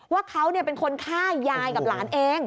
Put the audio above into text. ว่าเขาเป็นคนฆ่ายายกับหลานเอง